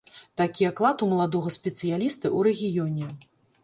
Такі аклад у маладога спецыяліста ў рэгіёне.